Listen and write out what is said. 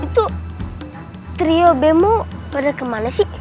itu trio bemo pada kemana sih